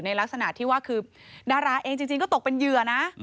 ลักษณะที่ว่าคือดาราเองจริงก็ตกเป็นเหยื่อนะ